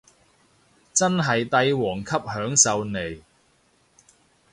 真係帝王級享受嚟